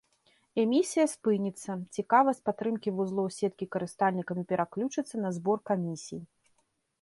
Эмісія спыніцца, цікавасць падтрымкі вузлоў сеткі карыстальнікамі пераключыцца на збор камісій.